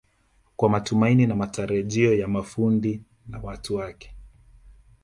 kwa matumaini na matarajio ya mafundi na watu wake